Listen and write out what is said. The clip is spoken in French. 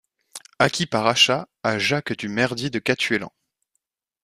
Acquit par achat à Jacques du Merdy de Catuélan.